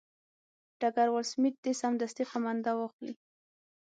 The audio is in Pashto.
ډګروال سمیت دې سمدستي قومانده واخلي.